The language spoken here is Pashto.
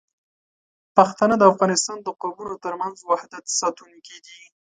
پښتانه د افغانستان د قومونو ترمنځ وحدت ساتونکي دي.